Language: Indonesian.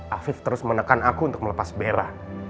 afif terus menekan aku untuk melepas bera